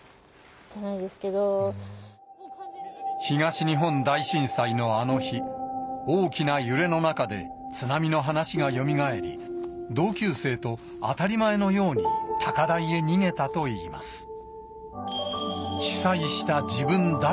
東日本大震災のあの日大きな揺れの中で津波の話がよみがえり同級生と当たり前のように高台へ逃げたといいます。